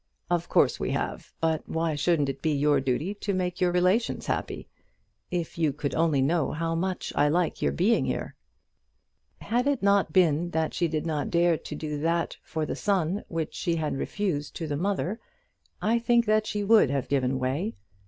"Of course we have; but why shouldn't it be your duty to make your relations happy? If you could only know how much I like your being here?" Had it not been that she did not dare to do that for the son which she had refused to the mother, I think that she would have given way.